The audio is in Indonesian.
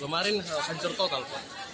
kemarin hancur total pak